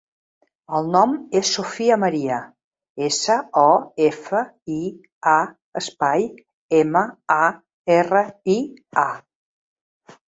El nom és Sofia maria: essa, o, efa, i, a, espai, ema, a, erra, i, a.